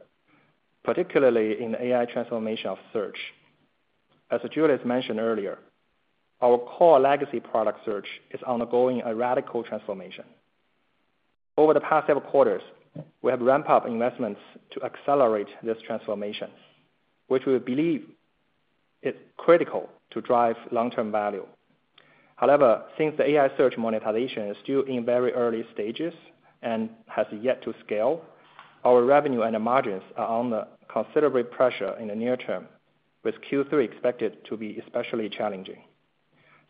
particularly in the AI transformation of search. As Julius mentioned earlier, our core legacy product search is undergoing a radical transformation. Over the past several quarters, we have ramped up investments to accelerate this transformation, which we believe is critical to drive long-term value. However, since the AI search monetization is still in very early stages and has yet to scale, our revenue and margins are under considerable pressure in the near term, with Q3 expected to be especially challenging.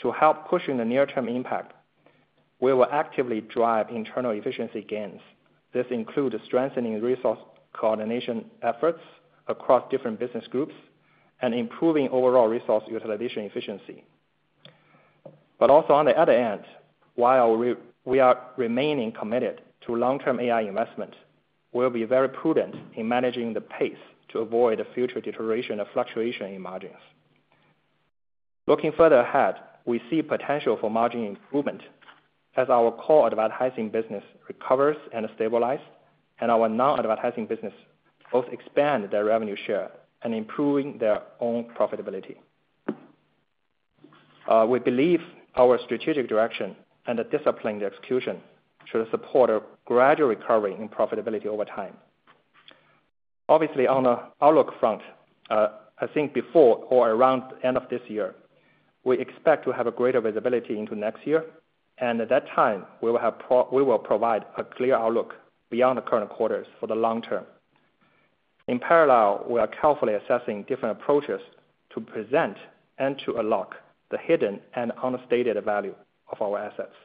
To help push the near-term impact, we will actively drive internal efficiency gains. This includes strengthening resource coordination efforts across different business groups and improving overall resource utilization efficiency. Also, on the other end, while we are remaining committed to long-term AI investment, we'll be very prudent in managing the pace to avoid future deterioration and fluctuation in margins. Looking further ahead, we see potential for margin improvement as our core advertising business recovers and stabilizes, and our non-advertising businesses both expand their revenue share and improve their own profitability. We believe our strategic direction and disciplined execution should support a gradual recovery in profitability over time. Obviously, on the outlook front, I think before or around the end of this year, we expect to have greater visibility into next year. At that time, we will provide a clear outlook beyond the current quarters for the long term. In parallel, we are carefully assessing different approaches to present and to unlock the hidden and unstated value of our assets.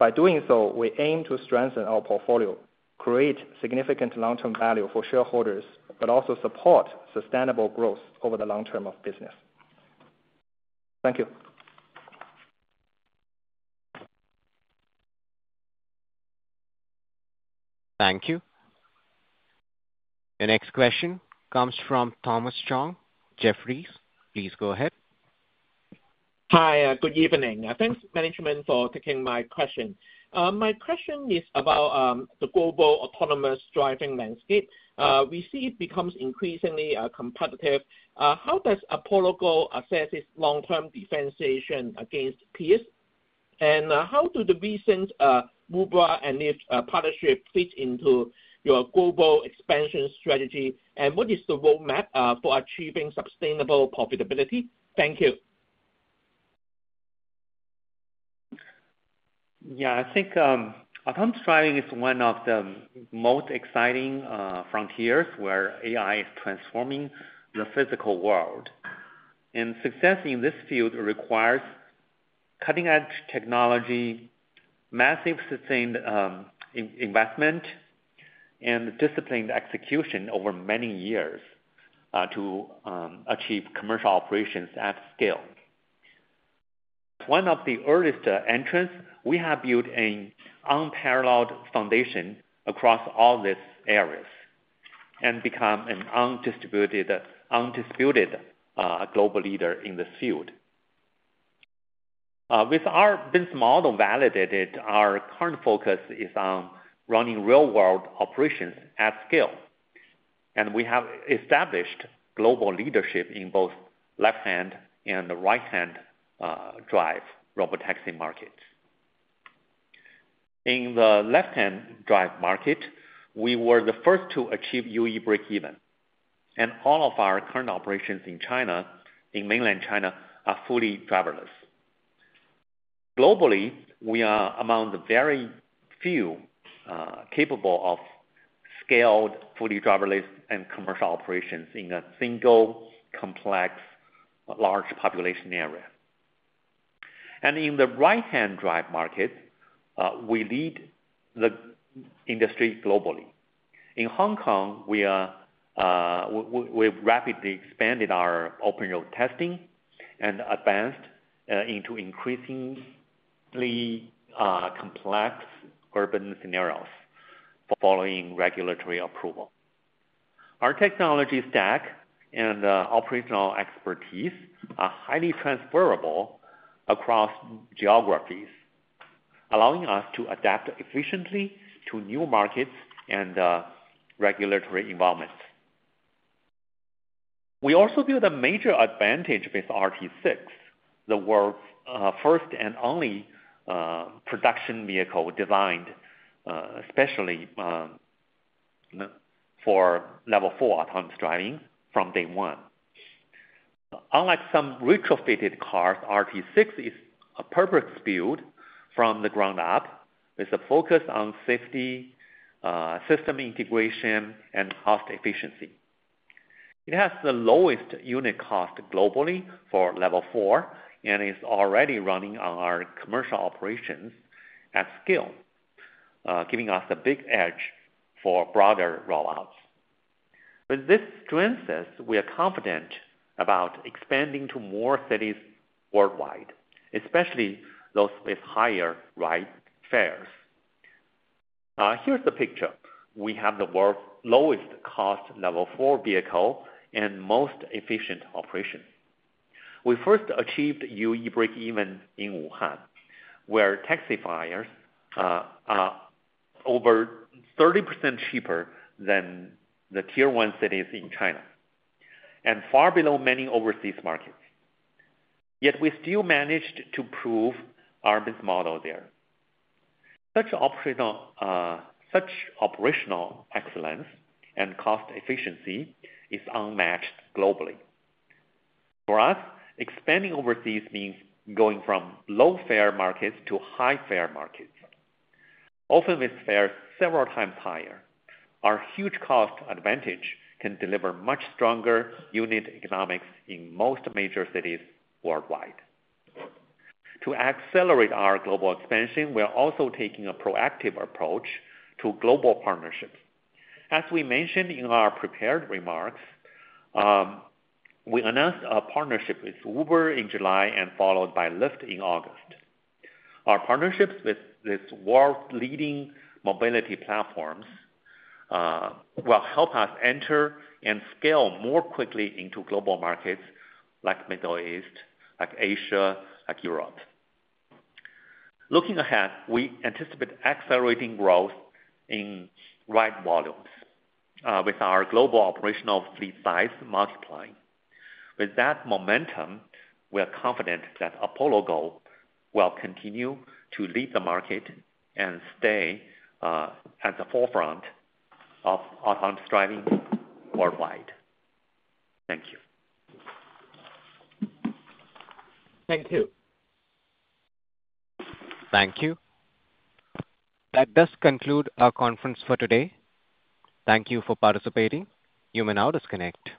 By doing so, we aim to strengthen our portfolio, create significant long-term value for shareholders, and also support sustainable growth over the long term of business. Thank you. Thank you. Our next question comes from Thomas Chong, Jeffries. Please go ahead. Hi. Good evening. Thanks, management, for taking my question. My question is about the global autonomous driving landscape. We see it becomes increasingly competitive. How does Apollo Go assess its long-term differentiation against peers? How do the recent MUBRA and NIF partnership fit into your global expansion strategy? What is the roadmap for achieving sustainable profitability? Thank you. Yeah, I think autonomous driving is one of the most exciting frontiers where AI is transforming the physical world. Success in this field requires cutting-edge technology, massive sustained investment, and disciplined execution over many years to achieve commercial operations at scale. One of the earliest entrants, we have built an unparalleled foundation across all these areas and become an undisputed global leader in this field. With our business model validated, our current focus is on running real-world operations at scale. We have established global leadership in both left-hand and right-hand drive robotaxi markets. In the left-hand drive market, we were the first to achieve UE break-even. All of our current operations in mainland China are fully driverless. Globally, we are among the very few capable of scaled fully driverless and commercial operations in a single complex large population area. In the right-hand drive market, we lead the industry globally. In Hong Kong, we have rapidly expanded our open road testing and advanced into increasingly complex urban scenarios following regulatory approval. Our technology stack and operational expertise are highly transferable across geographies, allowing us to adapt efficiently to new markets and regulatory involvement. We also build a major advantage with RT6, the world's first and only production vehicle designed especially for level four autonomous driving from day one. Unlike some retrofitted cars, RT6 is a perfect build from the ground up with a focus on safety, system integration, and cost efficiency. It has the lowest unit cost globally for level four and is already running on our commercial operations at scale, giving us a big edge for broader rollouts. With this strength, we are confident about expanding to more cities worldwide, especially those with higher ride fares. Here's the picture. We have the world's lowest cost level four vehicle and most efficient operation. We first achieved UE break-even in Wuhan, where taxifiers are over 30% cheaper than the tier one cities in China and far below many overseas markets. Yet we still managed to prove our business model there. Such operational excellence and cost efficiency are unmatched globally. For us, expanding overseas means going from low fare markets to high fare markets, often with fares several times higher. Our huge cost advantage can deliver much stronger unit economics in most major cities worldwide. To accelerate our global expansion, we are also taking a proactive approach to global partnerships. As we mentioned in our prepared remarks, we announced a partnership with Uber in July and followed by Lyft in August. Our partnerships with these world-leading mobility platforms will help us enter and scale more quickly into global markets like the Middle East, like Asia, like Europe. Looking ahead, we anticipate accelerating growth in ride volumes with our global operational fleet size multiplying. With that momentum, we are confident that Apollo Go will continue to lead the market and stay at the forefront of autonomous driving worldwide. Thank you. Thank you. Thank you. That does conclude our conference for today. Thank you for participating. You may now disconnect.